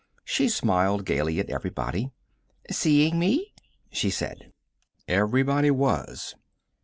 She smiled gaily at everybody. "Seeing me?" she said. Everybody was.